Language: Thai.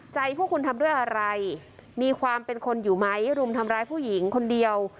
ใจพวกคุณทำด้วยอะไรมีความเป็นคนอยู่ไหมรุมทำร้ายผู้หญิงคนเดียว